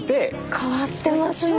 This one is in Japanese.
変わってますね。